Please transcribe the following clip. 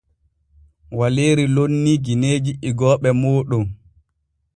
Waleeri lonnii gineeji igooɓe mooɗon.